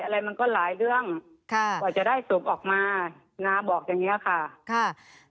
อะไรมันก็หลายเรื่องก่อนจะได้สูบออกมาน้าบอกอย่างนี้ค่ะ